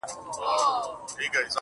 پخوا چي به د لوی کندهار اوسېدونکي